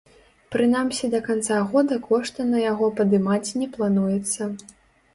Прынамсі да канца года кошты на яго падымаць не плануецца.